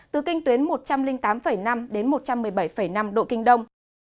từ kinh tuyến một trăm linh tám năm đến một trăm một mươi bảy năm độ kinh đông